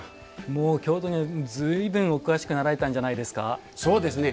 もう京都にはずいぶんお詳しくなられたんじゃないですか？